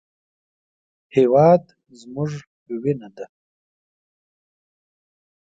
هېواد زموږ وینه ده